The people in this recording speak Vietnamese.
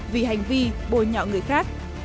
vì hành vi bồi nhọ người khác